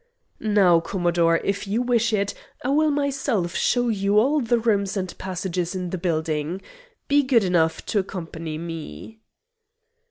"Now, Commodore, if you wish it, I will myself show you all the rooms and passages in the building. Be good enough to accompany me."